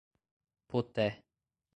Poté